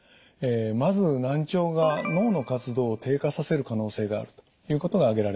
まず難聴が脳の活動を低下させる可能性があるということが挙げられます。